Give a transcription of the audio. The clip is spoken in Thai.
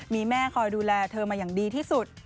มีแม่คอยดูแลเธอมาอย่างดีที่สุด